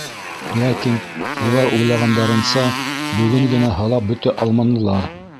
Ләкин улар уйлағандарынса бөгөн генә һылап бөтә алманылар.